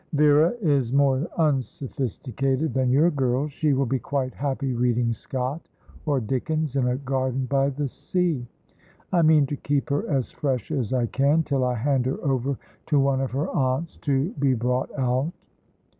"Vera is more unsophisticated than your girls. She will be quite happy reading Scott or Dickens in a garden by the sea. I mean to keep her as fresh as I can till I hand her over to one of her aunts to be brought out."